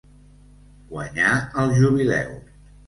Guanyar el jubileu.